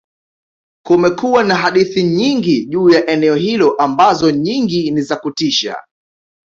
kumekuwa na hadithi nyingi juu ya eneo hilo ambazo nyingi ni za kutisha